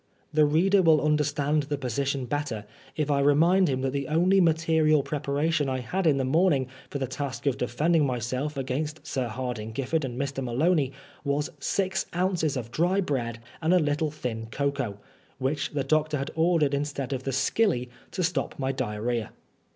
The reader will understand the position better if I remind him that the only materisd preparation I had in the morning for the task of defending myself against Sir Hardinge Oiffard and Mr.Maloney was six ounces of dry bread and a little thin cocoa, which the doctor had ordered instead of the "skilly" to stop my diarrhoea.